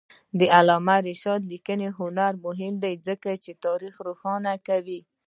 د علامه رشاد لیکنی هنر مهم دی ځکه چې تاریخ روښانه کوي.